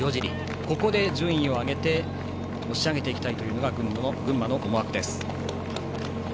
ここで順位を上げて押し上げていきたいというのが群馬の思惑です。